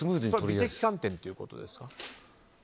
美的観点ということですか？